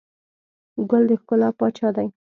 ګل د ښکلا پاچا دی.